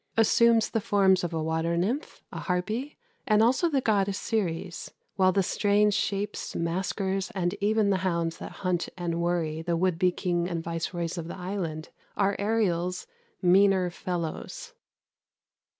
assumes the forms of a water nymph, a harpy, and also the goddess Ceres; while the strange shapes, masquers, and even the hounds that hunt and worry the would be king and viceroys of the island, are Ariel's "meaner fellows."